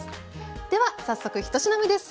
では早速１品目です。